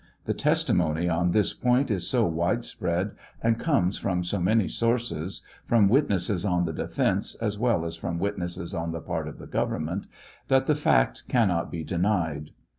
The testi'mony on this point is so wide spread, and comes from so many sources — i froni witnesses on the defence as well as from witnesses on the part of the government — that the fact cannot be denied.